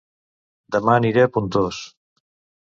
Dema aniré a Pontós